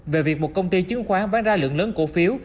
về việc một công ty chứng khoán bán ra lượng lớn cổ phiếu